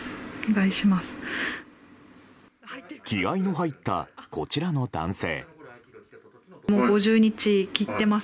気合の入ったこちらの男性。